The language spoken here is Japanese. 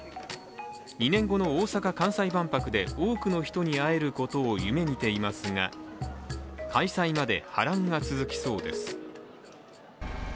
２年後の大阪・関西万博で多くの人に会えることを夢みていますが開催まで波乱が続きそうです。